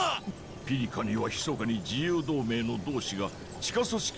ピリカにはひそかに自由同盟の同志が地下組織を作っています。